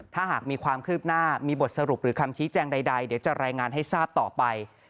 ถ้าหากมีความคืบหน้ามีบทสรุปหรือคำชี้แจงใดเดี๋ยวจะรายงานให้ทราบต่อไป